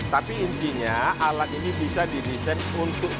tapi intinya alat ini bisa didesain untuk semua kondisi